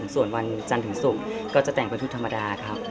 ส่วนวันจันทร์ถึงศุกร์ก็จะแต่งเป็นชุดธรรมดาครับ